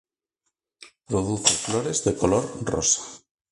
Produce flores de color rosa.